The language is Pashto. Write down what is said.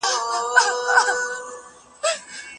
هغه د ستونزو د حل لپاره له بېلابېلو لارو کار اخيست.